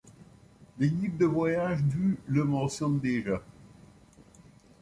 Des guides de voyages du le mentionnent déjà.